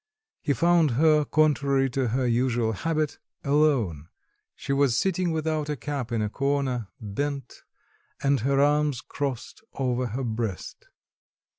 He found her, contrary to her usual habit, alone; she was sitting without a cap in a corner, bent, and her arms crossed over her breast.